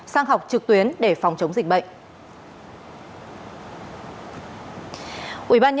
sang học trực tuyến để phòng chống dịch bệnh